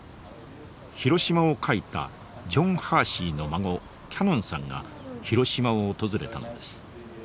「ヒロシマ」を書いたジョン・ハーシーの孫キャノンさんが広島を訪れたのです。